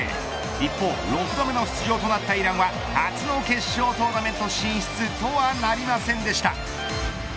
一方、６度目の出場となったイランは初の決勝トーナメント進出とはなりませんでした。